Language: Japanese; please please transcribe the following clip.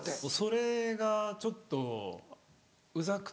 それがちょっとウザくて。